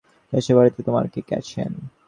দেশের বাড়িতে তোমার কে কে আছেন?